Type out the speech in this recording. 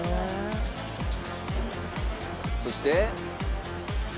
そして。